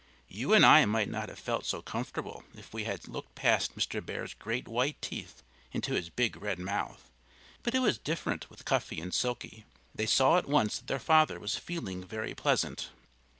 You and I might not have felt so comfortable if we had looked past Mr. Bear's great white teeth into his big red mouth. But it was different with Cuffy and Silkie. They saw at once that their father was feeling very pleasant.